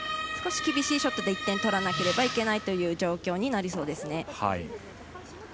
少し厳しいショットで１点取らなきゃいけない状況になりそうですね。